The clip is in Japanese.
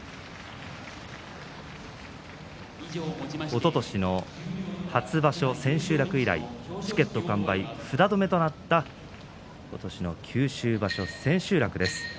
おととしの初場所、千秋楽以来チケット完売、札止めとなった今年の九州場所、千秋楽です。